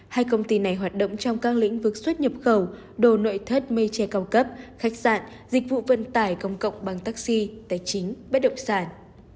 hai công ty này hoạt động trong các lĩnh vực xuất nhập khẩu đồ nội thất mây tre cao cấp khách sạn dịch vụ vận tải công cộng bằng taxi tài chính bất động sản